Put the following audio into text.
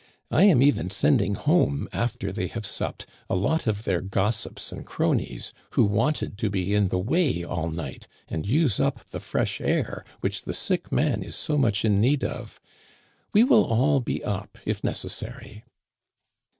I am even sending home, after they have supped, a lot of their gossips and cronies, who wanted to be in the way all night and use up the fresh air which the sick man is so much in need of. We will all be up if neces sary."